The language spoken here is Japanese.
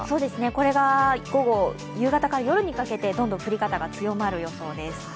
これが午後、夕方から夜にかけてどんどん降り方が強まる予想です。